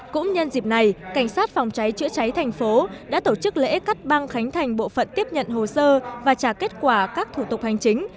cũng nhân dịp này cảnh sát phòng cháy chữa cháy thành phố đã tổ chức lễ cắt băng khánh thành bộ phận tiếp nhận hồ sơ và trả kết quả các thủ tục hành chính